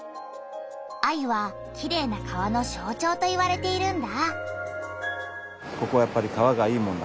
アユはきれいな川のしょうちょうと言われているんだ。